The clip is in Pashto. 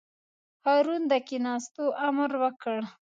هارون د کېناستو امر وکړ.